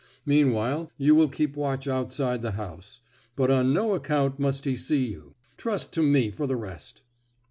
Meanwhile, you will keep watch outside the house; but on no account must he see you. Trust to me for the rest."